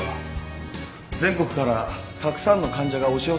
全国からたくさんの患者が押し寄せてくるからな。